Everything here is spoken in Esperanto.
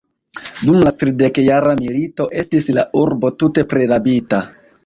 Dum la tridekjara milito estis la urbo tute prirabita.